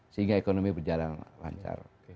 sehingga ekonomi berjalan lancar